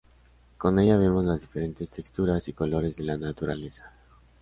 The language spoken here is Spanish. Con ella vemos las diferentes texturas y colores de la naturaleza.